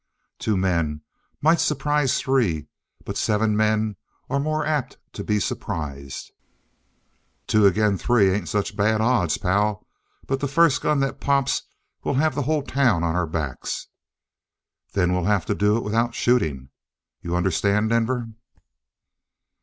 "Two men might surprise three. But seven men are more apt to be surprised." "Two ag'in' three ain't such bad odds, pal. But the first gun that pops, we'll have the whole town on our backs." "Then we'll have to do it without shooting. You understand, Denver?"